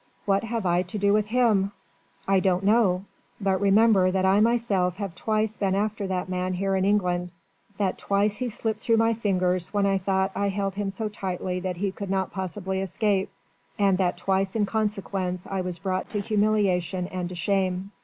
"What have I to do with him?" "I don't know. But remember that I myself have twice been after that man here in England; that twice he slipped through my fingers when I thought I held him so tightly that he could not possibly escape and that twice in consequence I was brought to humiliation and to shame.